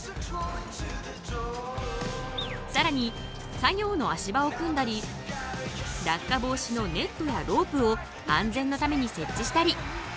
さらに作業の足場を組んだり落下防止のネットやロープを安全のために設置したり。